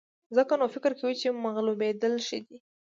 ځکه نو فکر کوئ چې مغلوبېدل ښه دي.